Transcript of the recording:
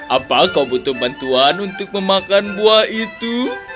apa kau butuh bantuan untuk memakan buah itu